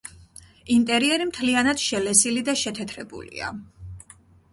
ინტერიერი მთლიანად შელესილი და შეთეთრებულია.